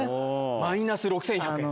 マイナス６１００円。